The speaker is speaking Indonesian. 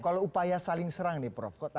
kalau upaya saling serang nih prof